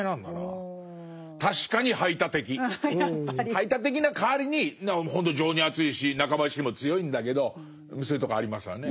排他的な代わりにほんと情にあついし仲間意識も強いんだけどそういうとこありますわね。